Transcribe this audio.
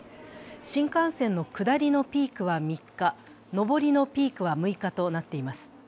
新幹線の下りのピークは３日上りのピークは６日となっています